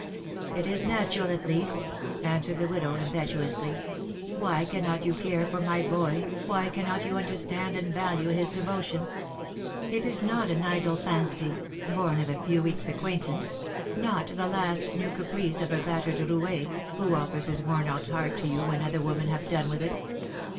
" It is natural at least/^ answered the widow, impetuously. *^ Why cannot you care for my boy, why cannot you understand and value his devotion? It is not an idle fancy — born of a few weeks' acquaintance — not the last new caprice of a battered roue, who offers his worn out heart to you when other women have done with it.